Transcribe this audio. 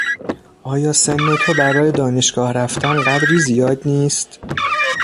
آیا سن تو برای دانشگاه رفتن قدری زیاد نیست؟